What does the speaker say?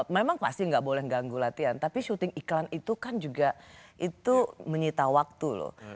memang pasti nggak boleh ganggu latihan tapi syuting iklan itu kan juga itu menyita waktu loh